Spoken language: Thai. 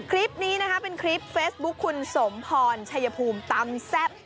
คลิปนี้นะคะเป็นคลิปเฟซบุ๊คคุณสมพรชัยภูมิตำแซ่บ